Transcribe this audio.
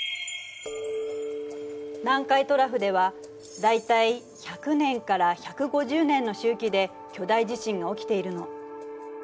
南海トラフでは大体１００年から１５０年の周期で巨大地震が起きているの。